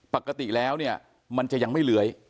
ปกติแล้วเนี่ยมันจะยังไม่เลื้อย